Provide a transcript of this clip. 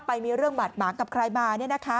ไปมีเรื่องบาดหมางกับใครมา